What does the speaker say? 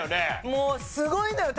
もうすごいのよ。